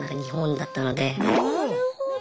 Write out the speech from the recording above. なるほど。